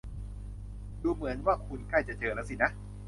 ดูเหมือนว่าคุณใกล้จะเจอแล้วสินะ